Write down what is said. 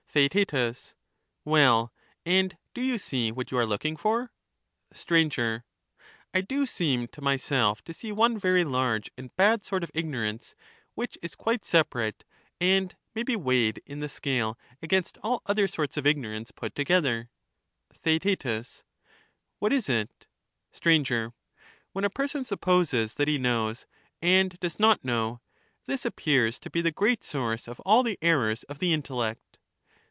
Svidfn^^ Theaet. Well, and do you see what you are looking for ? ignorance. Str. I do seem to myself to see one very large and bad onesortof sort of ignorance which is quite separate, and may be jgnorance weighed in the scale against all other sorts of ignorance ^i^^°* put together. Theaet. What is it? Str. When a person supposes that he knows, and does not know ; this appears to be the great source of all the errors of the intellect.